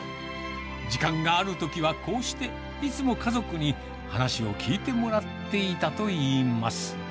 時間があるときはこうして、いつも家族に話を聞いてもらっていたといいます。